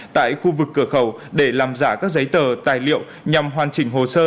tại khu vực cửa khẩu để làm giả các giấy tờ tài liệu nhằm hoàn chỉnh hồ sơ